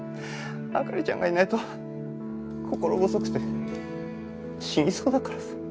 灯ちゃんがいないと心細くて死にそうだからさ。